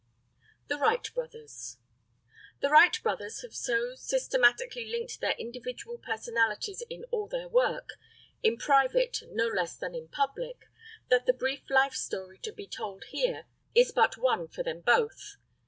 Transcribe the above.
THE WRIGHT BROTHERS. The Wright Brothers have so systematically linked their individual personalities in all their work, in private no less than in public, that the brief life story to be told here is but one for them both.